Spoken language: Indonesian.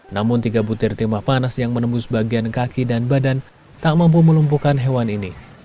namun tiga butir timah panas yang menembus bagian kaki dan badan tak mampu melumpuhkan hewan ini